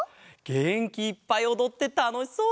げんきいっぱいおどってたのしそう！